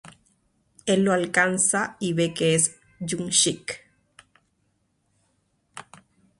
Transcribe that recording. Él lo alcanza y ve que es Jun-shik.